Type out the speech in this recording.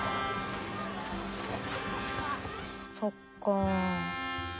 そっか。